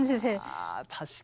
あ確かに。